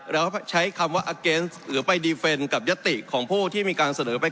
แล้วใช้คำว่าอังกษ์หรือไปกับยัตถีของผู้ที่มีการเสนอไป